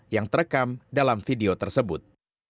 yang terekam dalam video tersebut